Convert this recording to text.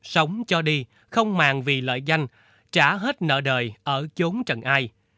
sống cho đi không màng vì lợi danh trả hết nợ đời ở trốn trần ai